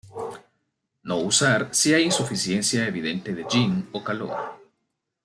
No usar si hay insuficiencia evidente de Yin o calor.